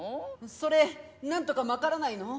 それなんとかまからないの？